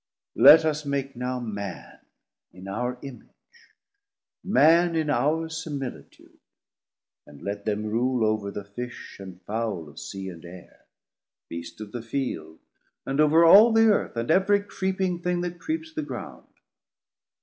Let us make now Man in our image, Man In our similitude, and let them rule 520 Over the Fish and Fowle of Sea and Aire, Beast of the Field, and over all the Earth, And every creeping thing that creeps the ground.